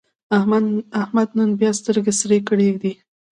احمد نن بیا سترګې سرې کړې دي.